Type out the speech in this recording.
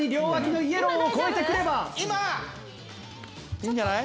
いいんじゃない？